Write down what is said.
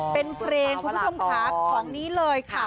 เป็นเพลงพุทธพรรคของนี้เลยค่ะ